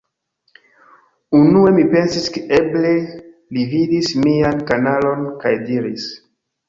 Unue mi pensis ke eble li vidis mian kanalon, kaj diris: